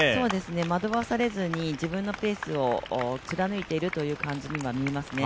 惑わされずに自分のペースを貫いているように見えます。